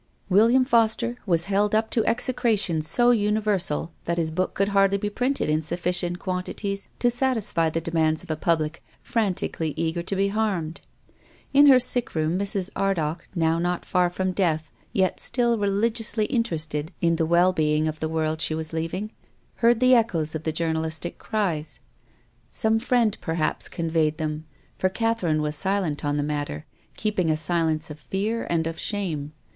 "Wil liam I'oster " was held up to execration so uni versal that his book could hardly be printed in sufficient quantities to satisfy th<: (Kmands of a public frantically eager to be harmed. T11 ]u;r sick room Mrs. Ardagh, now not far from death, yet still religiously interested in the well being of lOO TONGUES OF CONSCIENCE. the world she was leaving, heard the echoes of the journalistic cries. Some friend, perhaps, con veyed them. For Catherine was silent on the matter, keeping a silence of fear and of shame.